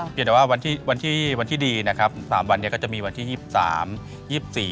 เปลี่ยนแต่ว่าวันที่ดีนะครับ๓วันเนี่ยก็จะมีวันที่๒๓